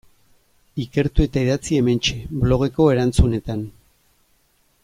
Ikertu eta idatzi hementxe, blogeko erantzunetan.